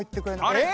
あれ？